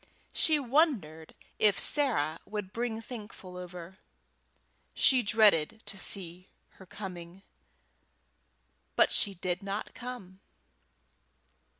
She wondered if Sarah would bring Thankful over; she dreaded to see her coming, but she did not come.